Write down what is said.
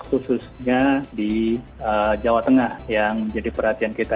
khususnya di jawa tengah yang menjadi perhatian kita